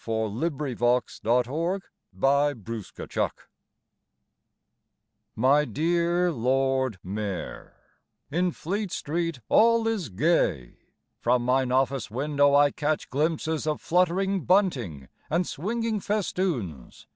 TO THE LORD MAYOR (November 9th) My dear Lord Mayor, In Fleet Street all is gay From min' office window I catch glimpses Of fluttering bunting and swinging festoons.